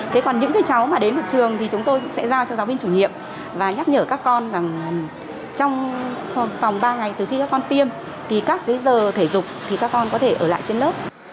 thế còn những cái cháu mà đến một trường thì chúng tôi sẽ giao cho giáo viên chủ nhiệm và nhắc nhở các con rằng trong vòng ba ngày từ khi các con tiêm thì các cái giờ thể dục thì các con có thể ở lại trên lớp